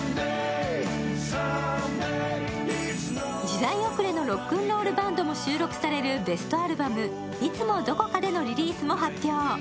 「時代遅れのＲｏｃｋ’ｎ’ＲｏｌｌＢａｎｄ」も収録されるベストアルバム「いつも何処かで」のリリースも発表。